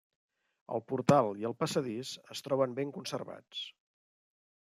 El portal i el passadís es troben ben conservats.